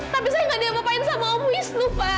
tapi saya gak diapa apain sama om wisnu pak